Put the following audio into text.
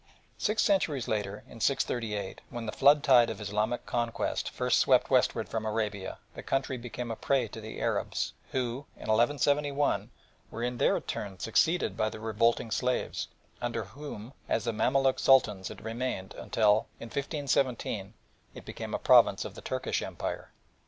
Six centuries later, in 638, when the flood tide of Islamic conquest first swept westward from Arabia, the country became a prey to the Arabs who, in 1171, were in their turn succeeded by their revolting slaves, under whom as the Mameluk Sultans it remained, until, in 1517, it became a province of the Turkish Empire.